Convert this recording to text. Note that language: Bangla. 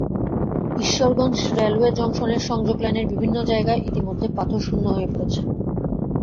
ঈশ্বরগঞ্জ রেলওয়ে জংশনের সংযোগ লাইনের বিভিন্ন জায়গা ইতিমধ্যে পাথরশূন্য হয়ে পড়েছে।